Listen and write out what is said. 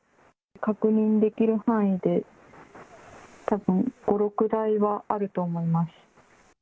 確認できる範囲で、たぶん、５、６台はあると思います。